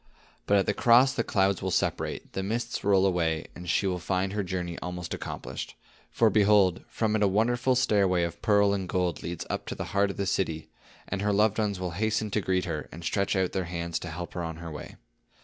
"But at the cross, the clouds will separate, the mists roll away, and she will find her journey almost accomplished. For behold, from it a wonderful stairway of pearl and gold leads up into the heart of the city; and her loved ones will hasten to greet her, and stretch out their hands to help her on her way.